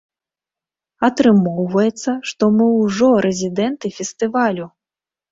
Атрымоўваецца, што мы ўжо рэзідэнты фестывалю!